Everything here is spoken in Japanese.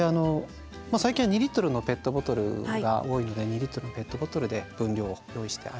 最近は２リットルのペットボトルが多いので２リットルのペットボトルで分量を用意してあります。